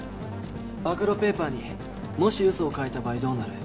暴露ペーパーにもし嘘を書いた場合どうなる？